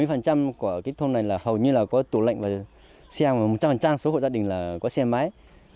hiện nay thì có bảy mươi của cái thôn này là hầu như là có tủ lệnh và xe và một trăm linh số hộ gia đình là có xe máy